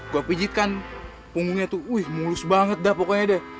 gue pijitkan punggungnya tuh wih mulus banget dah pokoknya deh